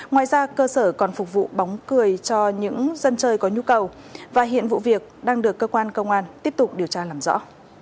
ngoài ra cơ sở còn phục vụ bóng cười cho những dân chơi có nhu cầu và hiện vụ việc đang được cơ quan công an tiếp tục điều tra làm rõ